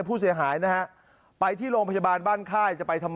ผู้เสียหายนะฮะไปที่โรงพจบาลบ้านค่าย